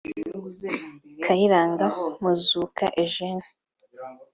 Kayiranga Muzuka Eugene